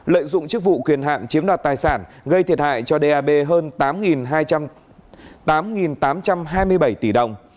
lợi dụng chức vụ quyền hạn chiếm đoạt tài sản gây thiệt hại cho dap hơn tám hai tám trăm hai mươi bảy tỷ đồng